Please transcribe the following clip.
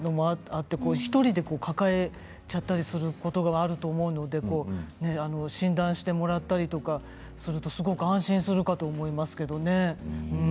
あって１人で抱えちゃうこともあると思うので診断してもらったりとかするとすごく安心すると思います。